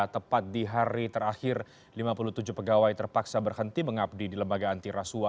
tepat di hari terakhir lima puluh tujuh pegawai terpaksa berhenti mengabdi di lembaga antirasua